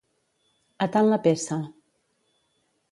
A tant la peça.